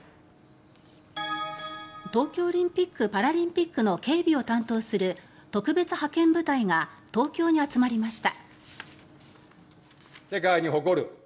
東京オリンピック・パラリンピックの警備を担当する特別派遣部隊が東京に集まりました。